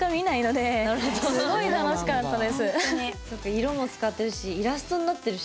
色も使ってるしイラストになってるし。